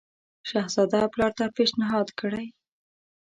شهزاده پلار ته پېشنهاد کړی.